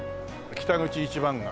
北口一番街。